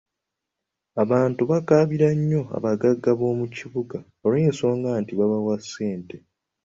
Abantu bakabira nnyo abagagga b’omu kibuga olw’ensonga nti babawa ssente.